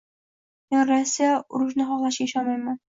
Men Rossiya urushni xohlashiga ishonmayman